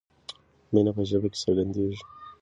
مینه په ژبه کې څرګندیږي.